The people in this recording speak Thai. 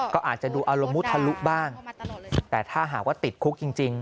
ก็อาจจะดูอารมณ์มุทะลุบ้างแต่ถ้าหากว่าติดคุกจริง